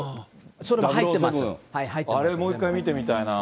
あれ、もう１回見てみたいな。